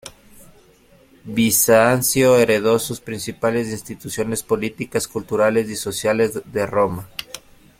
Bizancio heredó sus principales instituciones políticas, culturales y sociales de Roma.